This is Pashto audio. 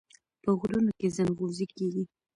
په غرونو کې ځنغوزي کیږي.